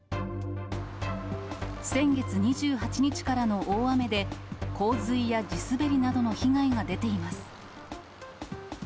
先月２８日からの大雨で、洪水や地滑りなどの被害が出ています。